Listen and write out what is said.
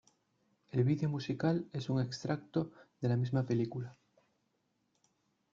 El vídeo musical es un extracto de la misma película.